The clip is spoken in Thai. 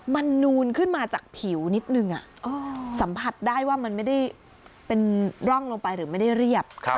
มันนูนขึ้นมาจากผิวนิดนึงสัมผัสได้ว่ามันไม่ได้เป็นร่องลงไปหรือไม่ได้เรียบ